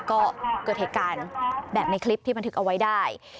ก็เกิดเหตุการณ์แบบในคลิปที่บันทึกเอาไว้ได้